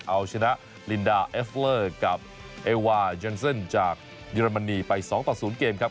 เอาชนะลินดาเอฟเลอร์กับเอวายันเซิลจากเยอรมนีไป๒ต่อ๐เกมครับ